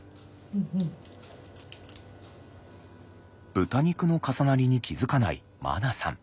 豚肉の重なりに気付かないまなさん。